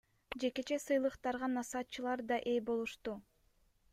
Жекече сыйлыктарга насаатчылар да ээ болушту.